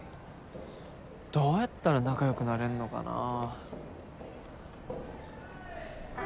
どうやったら仲良くなれんのかなぁ？